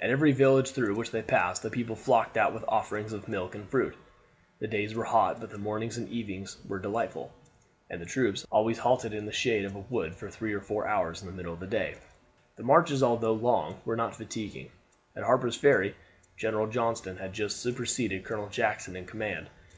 At every village through which they passed the people flocked out with offerings of milk and fruit. The days were hot, but the mornings and evenings delightful; and as the troops always halted in the shade of a wood for three or four hours in the middle of the day, the marches although long were not fatiguing. At Harper's Ferry General Johnston had just superseded Colonel Jackson in command.